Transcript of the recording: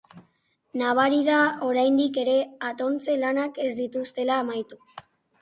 Nabari da oraindik ere atontze-lanak ez dituztela amaitu.